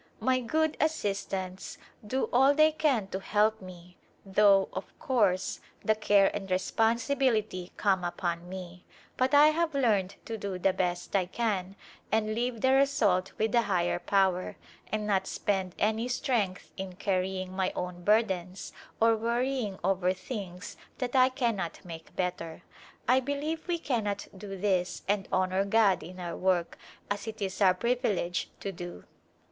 My good assistants do all they can to help me though, of course, the care and responsibility come upon me; but I have learned to do the best I can and leave the result with a higher Power, and not spend any strength in carrying my own burdens or worrying over things Second Joicrney to India that I cannot make better. I believe we cannot do this and honor God in our work as it is our privilege to do.